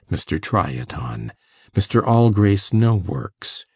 MR. TRY IT ON!! Mr. All grace No works, .